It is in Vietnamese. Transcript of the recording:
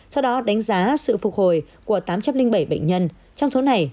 sau đó đánh giá sự phục hồi của tám trăm linh bảy bệnh nhân trong số này